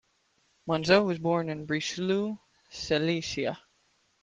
Menzel was born in Breslau, Silesia.